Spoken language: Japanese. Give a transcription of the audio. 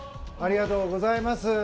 ありがとうございます。